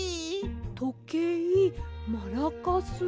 とけいマラカス。